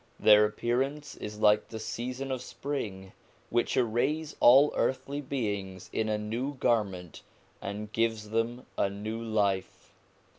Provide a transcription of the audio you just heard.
Their appearance is like the season of spring, which arrays all earthly beings in a new garment, and gives them a new life.